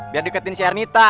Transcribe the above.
biar diketin si ernita